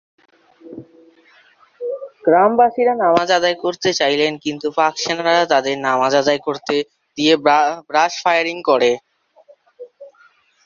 গ্রামবাসীরা নামাজ আদায় করতে চাইলেন কিন্তু পাক সেনাবাহিনী তাদের নামাজ আদায় করতে না দিয়ে ব্রাশ ফায়ারিং করে।